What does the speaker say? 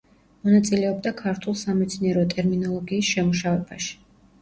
მონაწილეობდა ქართულ სამეცნიერო ტერმინოლოგიის შემუშავებაში.